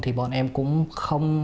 thì bọn em cũng không